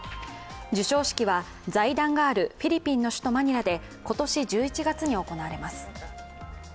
授賞式は財団があるフィリピンの首都マニラで今年１１月に行われます。